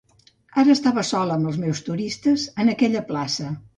Ara estava sola, amb els meus turistes, en aquella plaça.